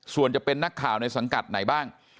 ส่วนจะเป็นนักข่าวในสังกัดไหนบ้าง